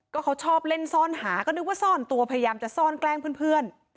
ก็เขาชอบเล่นซ่อนหาก็นึกว่าซ่อนตัวพยายามจะซ่อนแกล้งเพื่อน